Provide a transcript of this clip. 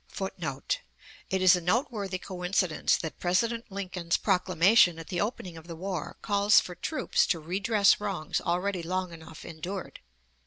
[Footnote: It is a noteworthy coincidence that President Lincoln's proclamation at the opening of the war calls for troops "to redress wrongs already long enough endured."